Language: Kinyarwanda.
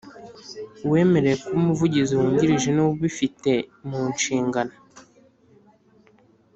Uwemerewe kuba Umuvugizi Wungirije ni we ubifite munshingano